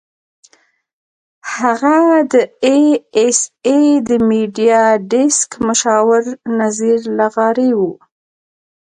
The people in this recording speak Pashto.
هغه د اى ايس اى د میډیا ډیسک مشاور نذیر لغاري وو.